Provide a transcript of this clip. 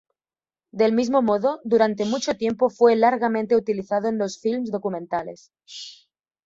Del mismo modo, durante mucho tiempo fue largamente utilizado en los films documentales.